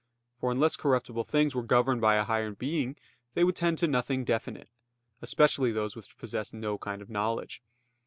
For unless corruptible things were governed by a higher being, they would tend to nothing definite, especially those which possess no kind of knowledge.